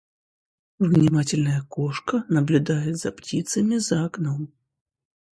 Внимательная кошка наблюдает за птицами за окном